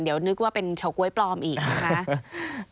เดี๋ยวนึกว่าเป็นเฉาก๊วยปลอมอีกนะคะ